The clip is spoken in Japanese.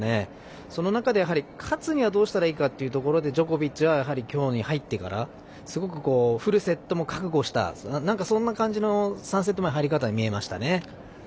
その中で勝つにはどうしたらいいかというところでジョコビッチは今日に入ってからすごくフルセットも覚悟したそんな感じの３セット目の入り方に見えましたね。